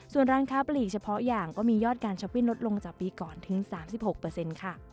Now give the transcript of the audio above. ส่วนร้านค้าปลีกเฉพาะอย่างก็มียอดการช้อปปิ้งลดลงจากปีก่อนถึง๓๖ค่ะ